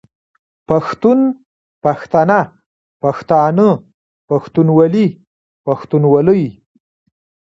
پښتون، پښتنه، پښتانه، پښتونولي، پښتونولۍ